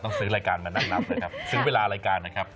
ซื้อรายการมานั่งนับเลยครับซื้อเวลารายการนะครับ